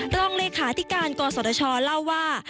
รองเลขาธิการกศชเล่าว่า